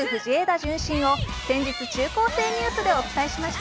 順心を先日、中高生ニュースでお伝えしました。